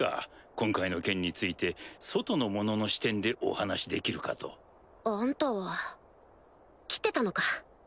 今回の件について外の者の視点でお話しできるかと。あんたは来てたのか。